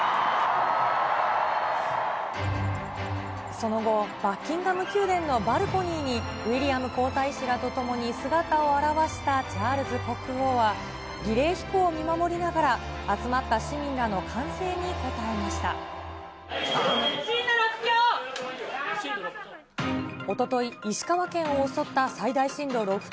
その後、バッキンガム宮殿のバルコニーに、ウィリアム皇太子らと共に姿を現したチャールズ国王は、儀礼ひこうを見守りながら、集まった市民らの歓声に応えまし石川県の能登半島で、マグニチュード６．５の地震が観測されました。